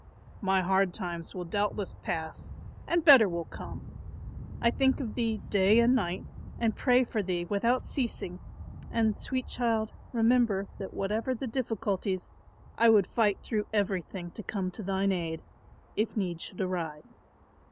"My hard times will doubtless pass and better will come. I think of thee day and night and pray for thee without ceasing; and sweet child, remember that whatever the difficulties, I would fight through everything to come to thine aid if need should arise.